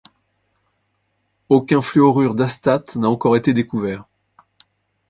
Aucun fluorure d'astate n'a encore été découvert.